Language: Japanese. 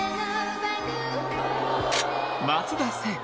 松田聖子。